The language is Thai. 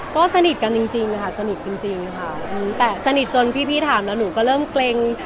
ก็สนิทกันจริงค่ะสนิทจนพี่ถามแล้วหนูก็เริ่มเกร็ง